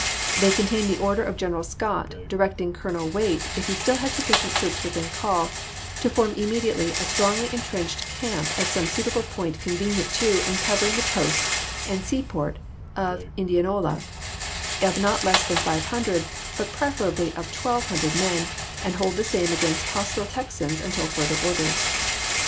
They contained the order of General Scott directing Colonel Waite, if he still had sufficient troops within call, to form immediately "a strongly intrenched camp at some suitable point convenient to and covering the post [and seaport] of Indian ola, of not less than 500, but preferably of 1200 men, and hold the same against hostile Texan s until further orders.